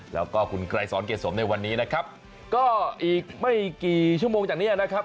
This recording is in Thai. แล้วก็คุณไกรสอนเกษสมในวันนี้นะครับก็อีกไม่กี่ชั่วโมงจากเนี้ยนะครับ